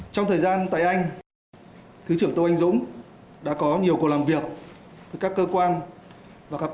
trong thời gian tại anh thứ trưởng tô anh dũng đã có nhiều cuộc làm việc